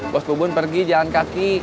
bos kebun pergi jalan kaki